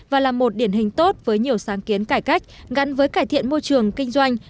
và là một điển hình tốt với nhiều sáng kiến cải cách gắn với cải thiện môi trường kinh doanh